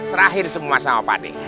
serahin semua sama padi